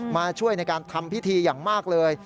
มาช่วยในการทำพิธีอย่างมากเลย